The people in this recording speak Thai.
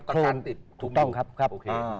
โอเคนะครับ